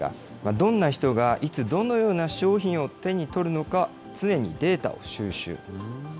どんな人がいつ、どのような商品を手に取るのか、常にデータを収集。